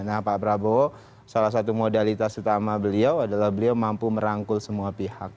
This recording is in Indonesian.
nah pak prabowo salah satu modalitas utama beliau adalah beliau mampu merangkul semua pihak